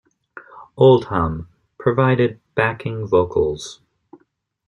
Oldham provided backing vocals.